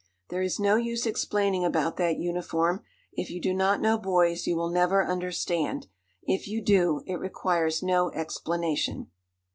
There is no use explaining about that uniform. If you do not know boys you will never understand. If you do, it requires no explanation.